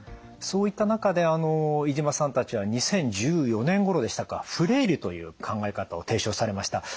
そういった中で飯島さんたちは２０１４年ごろでしたかフレイルという考え方を提唱されました。